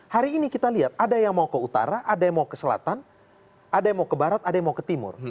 hari ini kita lihat ada yang mau ke utara ada yang mau ke selatan ada yang mau ke barat ada yang mau ke timur